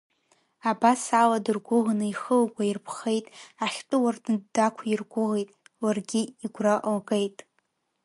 Абасала, дыргәыӷны ихы лгәаирԥхеит, Ахьтәы уардын дақәиргәыӷит, ларгьы игәра лгеит…